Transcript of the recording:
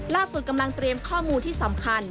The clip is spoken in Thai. กำลังเตรียมข้อมูลที่สำคัญ